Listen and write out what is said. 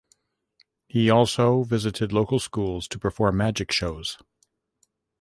He also visited local schools to perform magic shows.